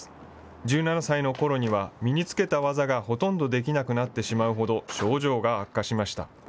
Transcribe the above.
１７歳のころには、身につけた技がほとんどできなくなってしまうほど、症状が悪化しました。